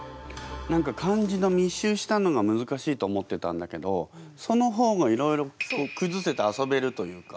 何か漢字の密集したのがむずかしいと思ってたんだけどその方がいろいろくずせて遊べるというか。